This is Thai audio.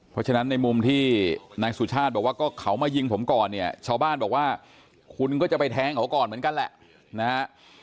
เพราะฉะนั้นในมุมที่นายสุชาติบอกว่าก็เขามายิงผมก่อนเนี่ยชาวบ้านบอกว่าคุณก็จะไปแทงเขาก่อนเหมือนกันแหละนะฮะ